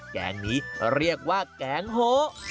แกงนี้เรียกว่าแกงโฮ